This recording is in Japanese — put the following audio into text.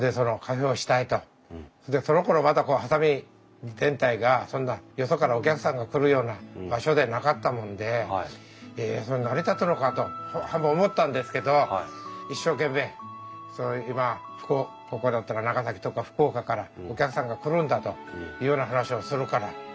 そのころまだ波佐見全体がそんなよそからお客さんが来るような場所でなかったもんでそれ成り立つのかと半分思ったんですけど一生懸命ここだったら長崎とか福岡からお客さんが来るんだというような話をするからそんなもんかなと。